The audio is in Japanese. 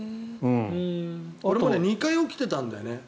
俺も２回起きてたんだよね